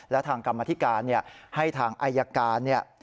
และทางกรรมธิการให้ทางอายการเนี่ย